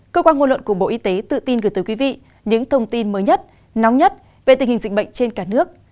cơ quan ngôn luận của bộ y tế tự tin gửi tới quý vị những thông tin mới nhất nóng nhất về tình hình dịch bệnh trên cả nước